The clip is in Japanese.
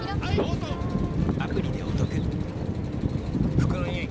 服のニオイ